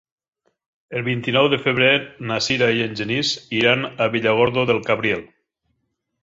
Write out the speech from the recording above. El vint-i-nou de febrer na Sira i en Genís iran a Villargordo del Cabriel.